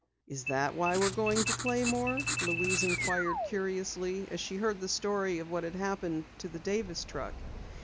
"Is that why we're going to Claymore?" Louise inquired curiously, as she heard the story of what had happened to the Davis truck.